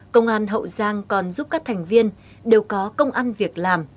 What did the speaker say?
công an hậu giang còn giúp các thành viên đều có công ăn việc làm